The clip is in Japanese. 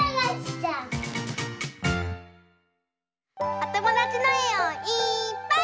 おともだちのえをいっぱい。